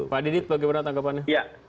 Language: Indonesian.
pak didit bagaimana tanggapannya